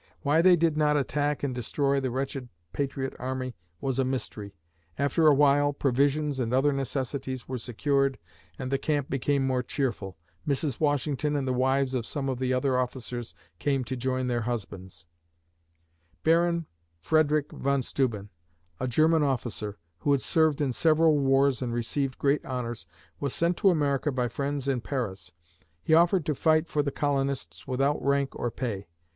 Why they did not attack and destroy the wretched patriot army was a mystery. After awhile, provisions and other necessities were secured and the camp became more cheerful. Mrs. Washington and the wives of some of the other officers came to join their husbands. Baron Frederick von Steuben, a German officer, who had served in several wars and received great honors, was sent to America by friends in Paris. He offered to fight for the colonists without rank or pay.